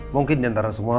mungkin diantara semua